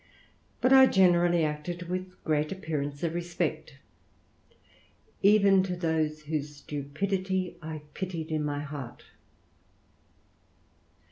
But I generally acted with great appearance of respect, even to those whose stupidiiy I pitied in my heart.